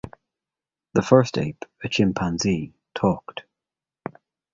The first ape, a chimpanzee, talked.